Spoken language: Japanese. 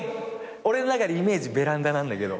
俺の中でイメージベランダなんだけど。